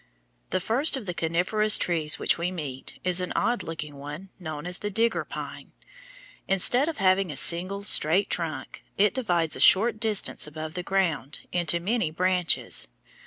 The first of the coniferous trees which we meet is an odd looking one known as the digger pine. Instead of having a single straight trunk it divides a short distance above the ground into many branches.